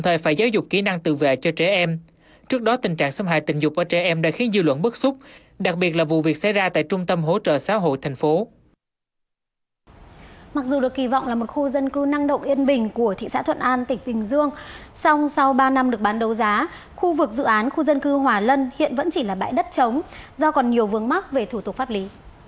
sau ba năm được bán đấu giá khu vực dự án khu dân cư hòa lân hiện vẫn chỉ là bãi đất chống do còn nhiều vướng mắc về thủ tục pháp lý